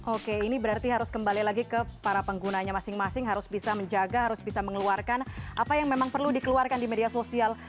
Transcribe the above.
oke ini berarti harus kembali lagi ke para penggunanya masing masing harus bisa menjaga harus bisa mengeluarkan apa yang memang perlu dikeluarkan di media sosial